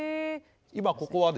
今ここはですね